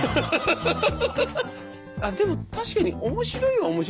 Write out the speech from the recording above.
でも確かに面白いは面白いですよね